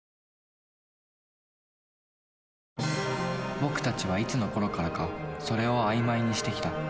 僕たちはいつのころからか「それ」を曖昧にしてきた。